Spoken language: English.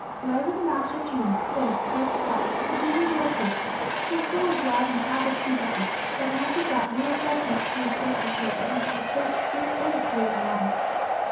Wherever the Master turned, there, close beside Him, was a beaming little face, so full of love and childish sympathy that it must have brought more refreshment to His thirsty soul than either the choice fruit or the cooling water.